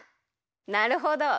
なるほど。